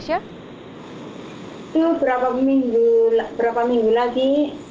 hai tuh berapa minggu per ingul dari